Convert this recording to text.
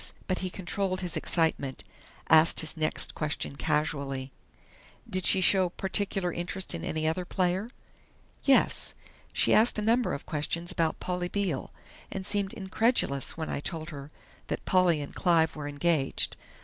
But he controlled his excitement, asked his next question casually: "Did she show particular interest in any other player?" "Yes. She asked a number of questions about Polly Beale, and seemed incredulous when I told her that Polly and Clive were engaged.